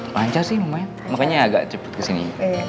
lancar sih lumayan makanya agak cepat kesini